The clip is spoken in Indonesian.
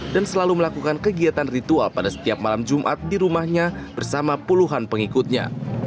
dan selalu melakukan kegiatan ritual pada setiap malam jumat di rumahnya bersama puluhan pengikutnya